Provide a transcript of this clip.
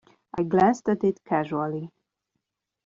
I glanced at it casually.